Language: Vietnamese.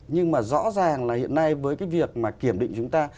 nhưng mà rõ ràng là hiện nay với cái việc mà kiểm định chúng ta